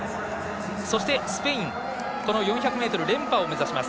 そしてスペイン４００ｍ連覇を目指します。